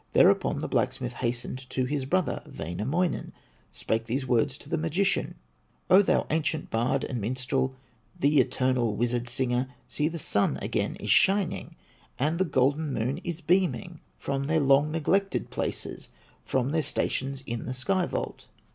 Thereupon the blacksmith hastened To his brother, Wainamoinen, Spake these words to the magician: "O thou ancient bard and minstrel, The eternal wizard singer, See, the Sun again is shining, And the golden Moon is beaming From their long neglected places, From their stations in the sky vault!"